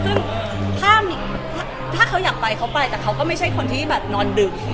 ซึ่งถ้าเขาอยากไปเขาไปแต่เขาก็ไม่ใช่คนที่แบบนอนดึก